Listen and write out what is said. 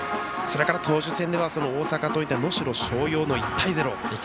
投手戦では大阪桐蔭と能代松陽の１対０。